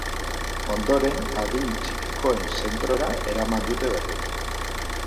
Ondoren, adin txikikoen zentrora eraman dute berriro.